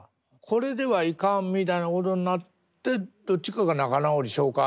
「これではいかん」みたいなことになってどっちかが「仲直りしよか」